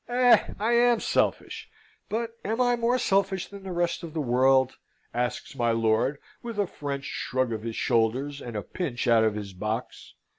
"Eh! I am selfish: but am I more selfish than the rest of the world?" asks my lord, with a French shrug of his shoulders, and a pinch out of his box.